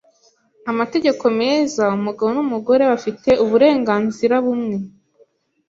amategeko meza umugabo n’umugore bafite uburenganzira bumwe